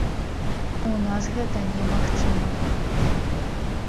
У нас гэта немагчыма.